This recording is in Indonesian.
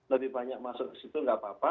lebih banyak masuk ke situ nggak apa apa